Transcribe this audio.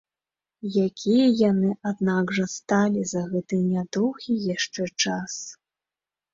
Якія яны аднак жа сталі за гэты нядоўгі яшчэ час!